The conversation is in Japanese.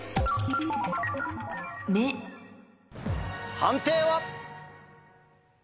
判定は？